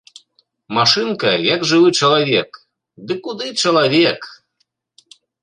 Машынка, як жывы чалавек, ды куды чалавек!